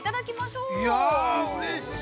◆うれしい！